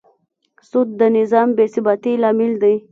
سود د نظام بېثباتي لامل دی.